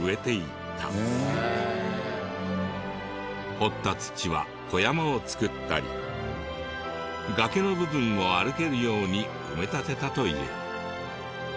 掘った土は小山を造ったり崖の部分を歩けるように埋め立てたという。